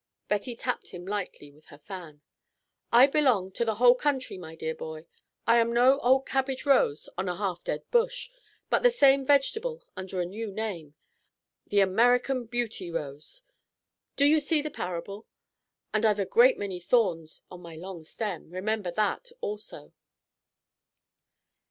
Betty tapped him lightly with her fan. "I belong to the whole country, my dear boy; I am no old cabbage rose on a half dead bush, but the same vegetable under a new name, the American Beauty Rose. Do you see the parable? And I've a great many thorns on my long stem. Remember that also."